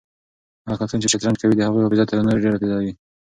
هغه کسان چې شطرنج کوي د هغوی حافظه تر نورو ډېره تېزه وي.